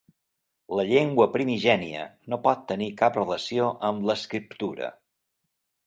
La llengua primigènia no pot tenir cap relació amb l'escriptura.